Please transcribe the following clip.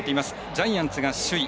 ジャイアンツが首位。